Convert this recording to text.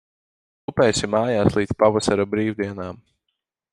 Tupēsi mājās līdz pavasara brīvdienām.